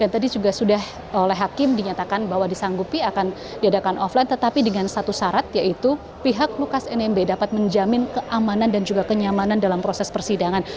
dan tadi sudah sudah oleh hakim dinyatakan bahwa disanggupi akan diadakan offline tetapi dengan satu syarat yaitu pihak lukas nmb dapat menjamin keamanan dan juga kenyamanan dalam proses persidangan